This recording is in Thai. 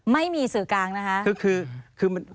ไม่มีสื่อกลางนะคะ